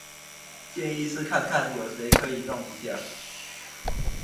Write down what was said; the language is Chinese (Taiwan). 建議是看看有誰可以弄一下